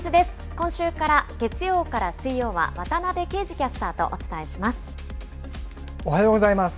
今週から月曜から水曜は渡部圭司キャスターとお伝えします。